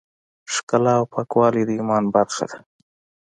ښکلا او پاکوالی د ایمان برخه ده.